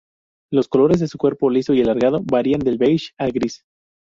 Los colores de su cuerpo, liso y alargado, varían de beige a gris.